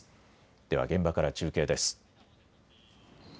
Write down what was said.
では現場から中継です。